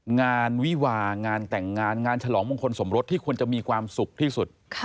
งานวิวางานแต่งงานงานฉลองมงคลสมรสที่ควรจะมีความสุขที่สุด